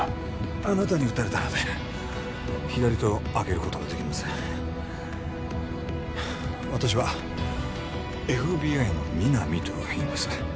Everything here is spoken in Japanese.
あなたに撃たれたので左手をあげることができません私はＦＢＩの皆実といいます